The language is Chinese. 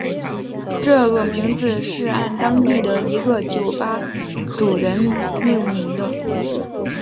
这个名字是按当地的一个酒吧主人命名的。